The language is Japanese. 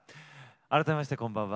改めましてこんばんは。